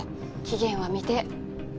期限は未定。